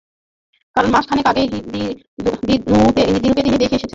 কারণ মাস খানেক আগেই দিনুকে তিনি দেখে এসেছেন।